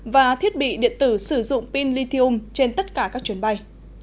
và thiết bị điện tử sử dụng pin lithium trên tất cả các chuyến bay